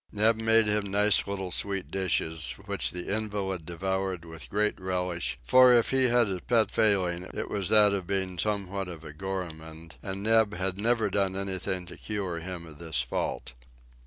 Neb made him nice little sweet dishes, which the invalid devoured with great relish, for if he had a pet failing it was that of being somewhat of a gourmand, and Neb had never done anything to cure him of this fault.